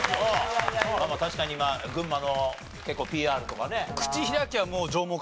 確かに群馬の結構ＰＲとかね。